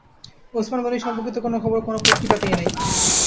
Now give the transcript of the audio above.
ওসমান গনি সম্পর্কিত কোনো খবর কোনো পত্রিকাতেই নেই।